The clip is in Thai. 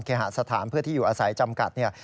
หาสถานเพื่อที่อยู่อาศัยจำกัดเนี่ย